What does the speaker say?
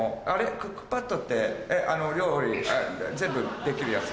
クックパッドって料理全部できるやつ？